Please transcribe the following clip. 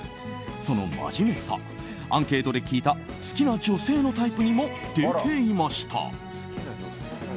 その真面目さアンケートで聞いた好きな女性のタイプにも出ていました。